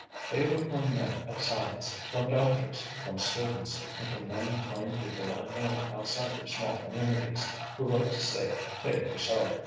They were from men of science, from doctors, from students, and from many plain people unknown outside their small communities, who wrote to say they were sorry.